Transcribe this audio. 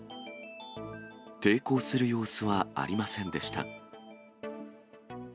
抵抗する様子はありませんでした。